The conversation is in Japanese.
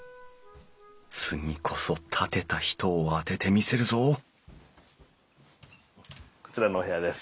次こそ建てた人を当ててみせるぞこちらのお部屋です。